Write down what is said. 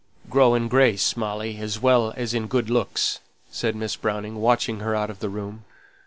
"Grow in grace, Molly, as well as in good looks!" said Miss Browning, watching her out of the room.